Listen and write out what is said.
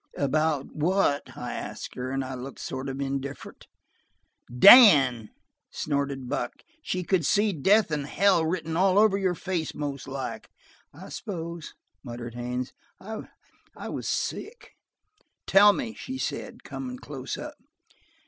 "'About what?' I asked her, and I looked sort of indifferent." "Dan!" snorted Buck. "She could see death an' hell written all over your face, most like." "I suppose," muttered Haines, "I I was sick! "'Tell me!' she said, coming close up.